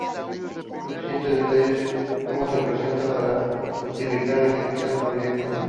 Suficiente detalle como se presenta para justificar la ejecución del proyecto.